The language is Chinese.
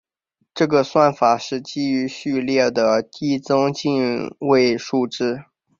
这个算法是基于序列的递增进位制数。